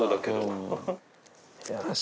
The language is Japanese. よし。